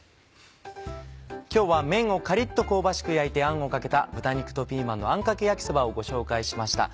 今日はめんをカリっと香ばしく焼いてあんをかけた「豚肉とピーマンのあんかけ焼きそば」をご紹介しました。